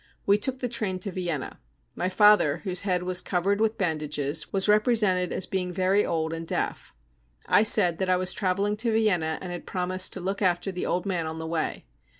We took the train to Vienna. My father, whose head was covered with bandages, was represented as being very old and deaf. I said that I was travelling to Vienna and had promised to look after the old man on the way.